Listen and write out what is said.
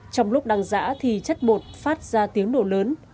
trong lúc đang giã thì chất bột phát ra tiếng nổ lớn